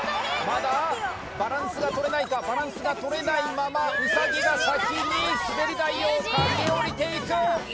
まだバランスがとれないかバランスがとれないままウサギが先にすべり台を駆け降りていく